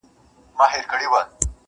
ستا سپکو الفاظو ته الفاظ درانه درانه لرم,